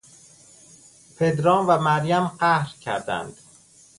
پدرام و مریم قهر کردند.